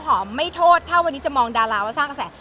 หอมไม่โทษถ้าวันนี้จะมองดาราว่าสร้างกระแส